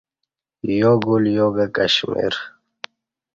یوگل یوکہ کشمیر